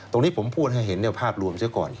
ตรงนี้ผมพูดให้เห็นภาพรวมเสียก่อน